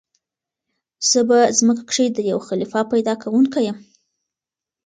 "زه په ځمكه كښي د يو خليفه پيدا كوونكى يم!"